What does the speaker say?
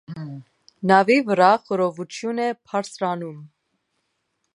Նավի վրա խռովություն է բարձրանում։